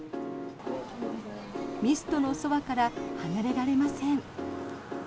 ミストのそばから離れられません。